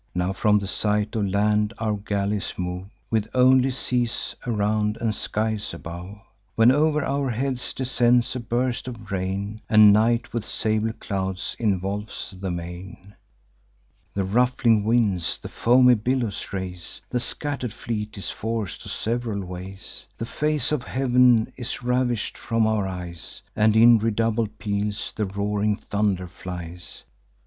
Now from the sight of land our galleys move, With only seas around and skies above; When o'er our heads descends a burst of rain, And night with sable clouds involves the main; The ruffling winds the foamy billows raise; The scatter'd fleet is forc'd to sev'ral ways; The face of heav'n is ravish'd from our eyes, And in redoubled peals the roaring thunder flies.